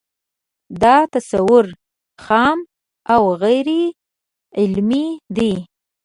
دا تصور خام او غیر علمي دی